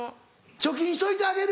「貯金しといてあげる」